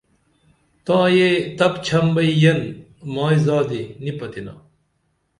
تاں یہ تپچھم بئی یین مائی زادی نی پتِنا